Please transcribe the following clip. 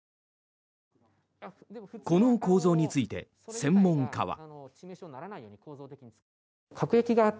この構造について専門家は。